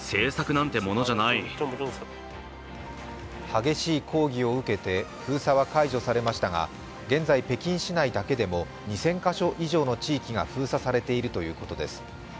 激しい講義を受けて封鎖は解除されましたが、現在、北京市内だけでも２０００か所以上の地域が封鎖されているということです。